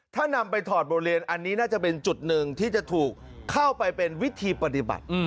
ถ้านำไปถอดบริเวณอันนี้น่าจะเป็นจุดหนึ่งที่จะถูกเข้าไปเป็นวิธีปฏิบัติ